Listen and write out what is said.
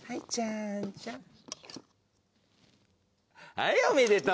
はいおめでとう！